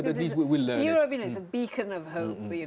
tidak berarti semua orang dihormati